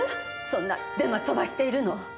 そんなデマ飛ばしているの！